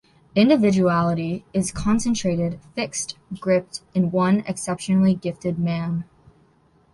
Individuality is concentrated, fixed, gripped in one exceptionally gifted man.